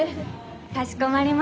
かしこまりました。